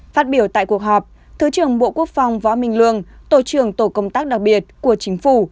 phát biểu tại cuộc họp thứ trưởng bộ quốc phòng võ minh lương tổ trưởng tổ công tác đặc biệt của chính phủ